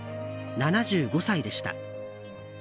７５歳でした。